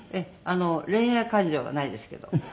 恋愛感情はないですけど。